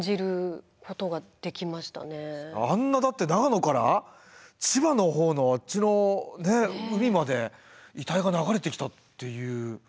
あんなだって長野から千葉の方のあっちの海まで遺体が流れてきたっていう。